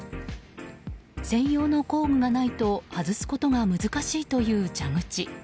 専用の工具がないと外すことが難しいという蛇口。